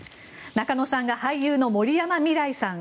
中野さんが俳優の森山未來さん